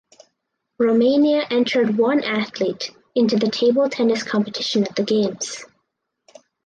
Romania entered one athlete into the table tennis competition at the games.